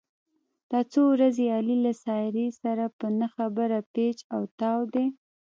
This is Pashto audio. دا څو ورځې علي له سارې سره په نه خبره پېچ او تاو دی.